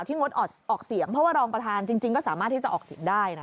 งดออกเสียงเพราะว่ารองประธานจริงก็สามารถที่จะออกเสียงได้นะ